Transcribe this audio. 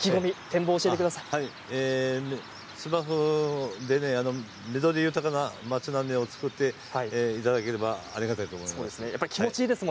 芝生で緑豊かな町並みを作っていただければありがたいです。